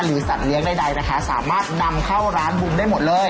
สัตว์เลี้ยงใดนะคะสามารถนำเข้าร้านบุญได้หมดเลย